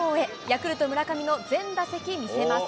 ヤクルト、村上の全打席見せます。